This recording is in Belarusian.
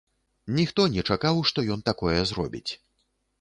Ніхто не чакаў, што ён такое зробіць.